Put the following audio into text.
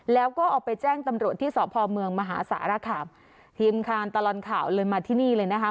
แล้วก็เอาไปแจ้งตำรวจที่สพเมืองมหาสารคามทีมคานตลอดข่าวเลยมาที่นี่เลยนะคะ